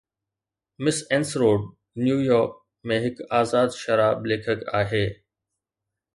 مس اينسروڊ New York ۾ هڪ آزاد شراب ليکڪ آهي